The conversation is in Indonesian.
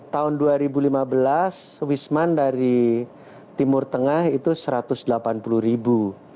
tahun dua ribu lima belas wisman dari timur tengah itu satu ratus delapan puluh ribu